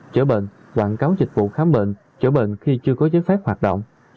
chữa bệnh đoạn cáo dịch vụ khám bệnh chữa bệnh khi chưa có giới phép hoạt động